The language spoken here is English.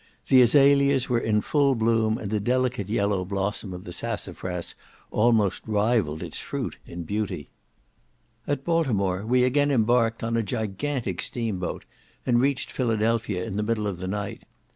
The azalias were in full bloom, and the delicate yellow blossom of the sassafras almost rivalled its fruit in beauty. At Baltimore we again embarked on a gigantic steam boat, and reached Philadelphia in the middle of the night.